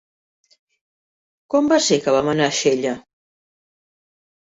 Quan va ser que vam anar a Xella?